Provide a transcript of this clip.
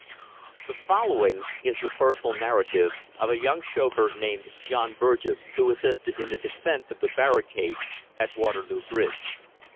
The following is the personal narrative of a young chauffeur named John Burgess, who assisted in the defence of the barricade at Waterloo Bridge.